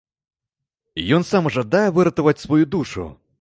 Ён сам жадае выратаваць сваю душу?